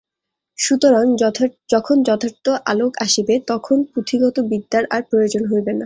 সুতরাং যখন যথার্থ আলোক আসিবে, তখন পুঁথিগত বিদ্যার আর প্রয়োজন হইবে না।